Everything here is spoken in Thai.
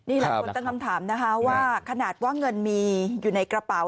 นี่หลายคนตั้งคำถามนะคะว่าขนาดว่าเงินมีอยู่ในกระเป๋า